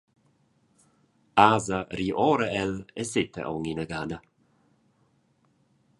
Asa ri ora el e setta aunc inagada.